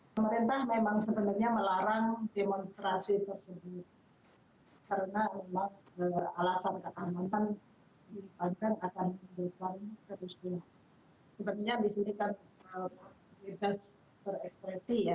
sehingga tidak melibat kemana mana